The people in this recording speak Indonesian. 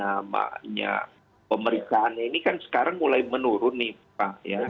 apa namanya pemeriksaannya ini kan sekarang mulai menurun nih pak